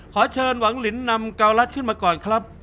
ขอเชิญหวังลินนำเกาลัดขึ้นมาก่อนครับ